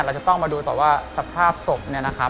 เราจะต้องมาดูต่อว่าสภาพศพ